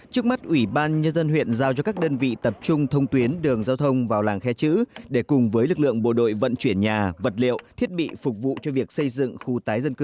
trước mắt ủy ban nhân dân huyện giao cho các đơn vị tập trung thông tuyến đường giao thông vào làng khe chữ để cùng với lực lượng bộ đội vận chuyển nhà vật liệu thiết bị phục vụ cho việc xây dựng khu tái định cư